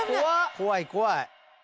怖い怖い。